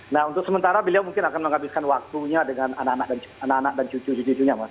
nah untuk sementara beliau mungkin akan menghabiskan waktunya dengan anak anak dan cucu cucunya mas